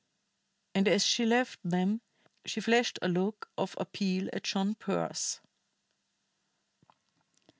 And as she left them she flashed a look of appeal at John Pearse.